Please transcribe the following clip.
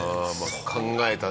考えたね。